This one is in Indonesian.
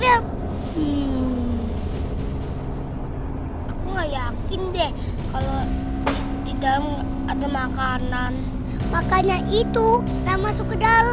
aku nggak yakin deh kalau tidak ada makanan makanya itu tak masuk ke dalam